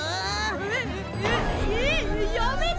えっえっえっやめてよ！